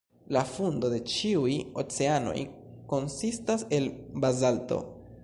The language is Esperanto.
La fundo de ĉiuj oceanoj konsistas el bazalto.